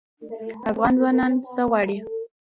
افغان ځوانان څه غواړي؟